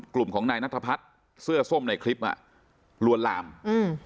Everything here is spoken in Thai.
กลุ่มของนายนัทพัฒน์เสื้อส้มในคลิปอ่ะลวนลามอืม